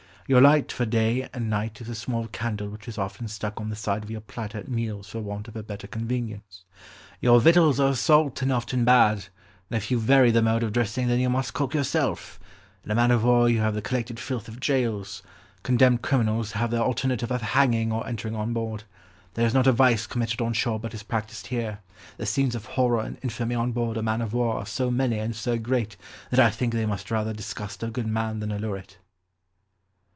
"Your light for day and night is a small candle which is often stuck on the side of your platter at meals for want of a better convenience. Your victuals are salt and often bad; and if you vary the mode of dressing them you must cook yourself ... in a man of war you have the collected filth of jails; condemned criminals have the alternative of hanging or entering on board. There is not a vice committed on shore but is practised here, the scenes of horror and infamy on board a man of war are so many and so great, that I think they must rather disgust a good mind than allure it."